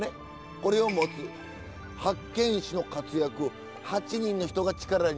これを持つ八犬士の活躍を８人の人が力になって。